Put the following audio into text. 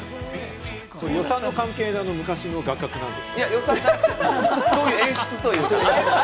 予算の関係で昔の画角なんでそういう演出というか。